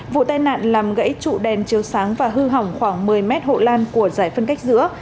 vụ tai nạn làm gãy trụ đèn chiếu sáng và hư hỏng khoảng một mươi mét hộ lan của giải phân cách giữa